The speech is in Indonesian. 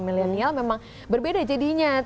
milenial memang berbeda jadinya